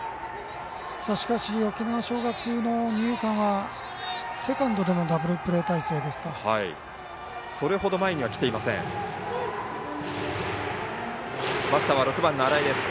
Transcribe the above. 沖縄尚学の二遊間はセカンドでのダブルプレー態勢ですか。